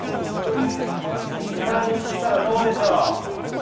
２３日したらどうでしょう。